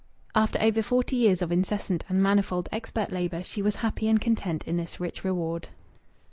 After over forty years of incessant and manifold expert labour she was happy and content in this rich reward.